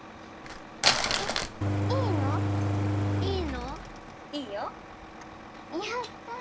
えっいいの？いいの？いいよ。やった！